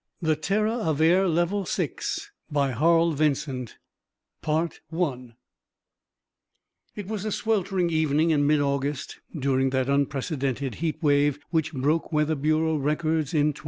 ] The Terror of Air Level Six By Harl Vincent It was a sweltering evening in mid August, during that unprecedented heat wave which broke Weather Bureau records in 2011.